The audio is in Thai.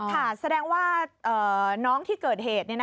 แสดงว่าน้องที่เกิดเหตุ